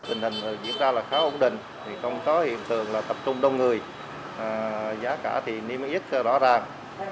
tình hình diễn ra khá ổn định không có hiện tượng tập trung đông người giá cả niêm yếp rõ ràng